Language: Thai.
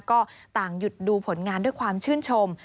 ก็ต่างหยุดดูผลงานด้วยความชื่นชม